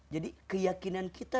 jadi keyakinan kita